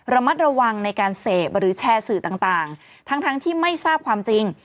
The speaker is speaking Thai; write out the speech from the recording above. ระมัดระวังในการเสพหรือแชร์สื่อต่างทั้งที่ไม่ทราบความจริง